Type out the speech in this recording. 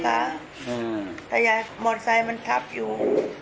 ถ้ายายยายหมอเซย์มันทับอยู่